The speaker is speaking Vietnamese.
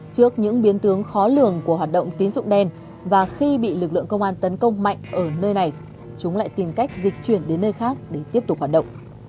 trước những biến tướng khó lường của hoạt động tín dụng đen và khi bị lực lượng công an tấn công mạnh ở nơi này chúng lại tìm cách dịch chuyển đến nơi khác để tiếp tục hoạt động